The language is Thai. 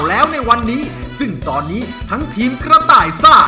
แล้วในวันนี้ซึ่งตอนนี้ทั้งทีมกระต่ายซ่า